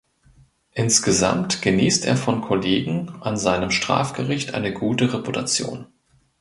Insgesamt genießt er von Kollegen an seinem Strafgericht eine gute Reputation.